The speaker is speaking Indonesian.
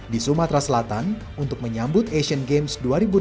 di sumatera selatan untuk menyambut asian games dua ribu delapan belas